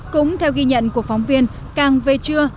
cũng theo ghi nhận của phóng viên càng về trưa